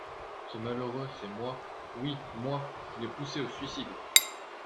Ce malheureux, c’est moi, oui, moi! qui l’ai poussé au suicide !